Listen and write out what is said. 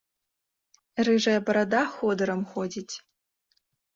Рыжая барада ходырам ходзіць.